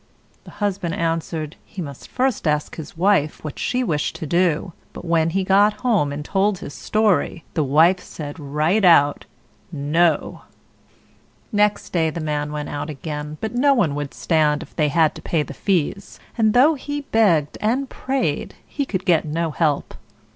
The husband answered, he must first ask his wife what she wished to do; but when he got home and told his story, the wife said, right out, "No!" Next day the man went out again, but no one would stand if they had to pay the fees; and though he begged and prayed, he could get no help.